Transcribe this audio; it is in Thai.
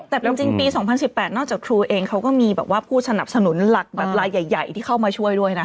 แต่จริงปี๒๐๑๘นอกจากครูเองเขาก็มีแบบว่าผู้สนับสนุนหลักแบบลายใหญ่ที่เข้ามาช่วยด้วยนะ